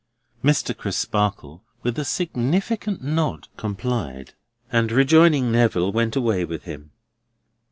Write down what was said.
Mr. Crisparkle, with a significant nod complied; and rejoining Neville, went away with him.